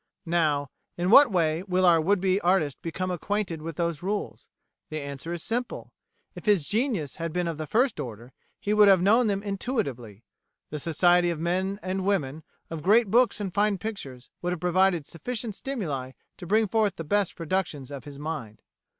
Now, in what way will our would be artist become acquainted with those rules? The answer is simple. If his genius had been of the first order he would have known them intuitively: the society of men and women, of great books and fine pictures, would have provided sufficient stimuli to bring forth the best productions of his mind.